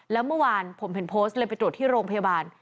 แล้วเมื่อวานผมเห็นโพสต์เลยไปตรวจที่โรงพยาบาล